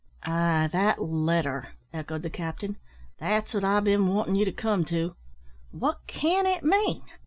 "Ay, that letter," echoed the captain; "that's what I've bin wantin' you to come to. What can it mean?"